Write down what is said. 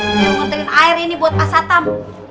dah saya moterin air ini buat pak satam